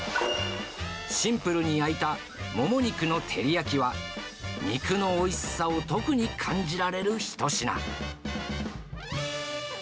シンプルに焼いたもも肉の照り焼きは肉のおいしさを特に感じられる一品。